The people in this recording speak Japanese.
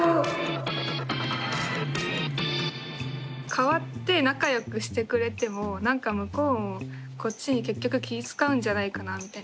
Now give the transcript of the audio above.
変わって仲よくしてくれてもなんか向こうもこっちに結局気ぃ遣うんじゃないかなみたいな。